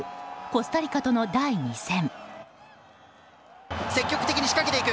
コスタリカとの第２戦。